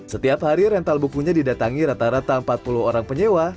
setiap hari rental bukunya didatangi rata rata empat puluh orang penyewa